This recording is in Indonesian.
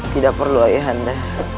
tidak perlu ayah anda